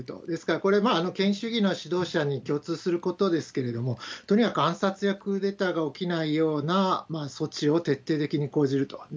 ですから、これ、権威主義の指導者に共通することですけれども、とにかく暗殺やクーデターが起きないような措置を徹底的に講じると。